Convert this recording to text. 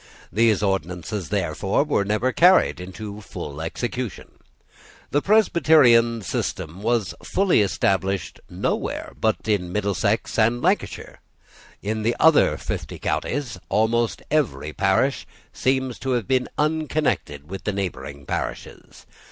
Those ordinances, therefore, were never carried into full execution. The Presbyterian system was fully established nowhere but in Middlesex and Lancashire. In the other fifty counties almost every parish seems to have been unconnected with the neighbouring parishes.